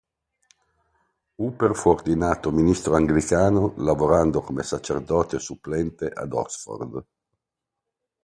Hooper fu ordinato ministro anglicano, lavorando come sacerdote supplente ad Oxford.